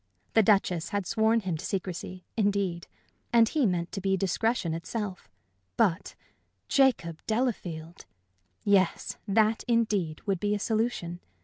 The Duchess had sworn him to secrecy, indeed; and he meant to be discretion itself. But Jacob Delafield! Yes, that, indeed, would be a solution.